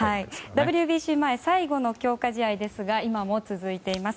ＷＢＣ前最後の強化試合ですが今も続いています。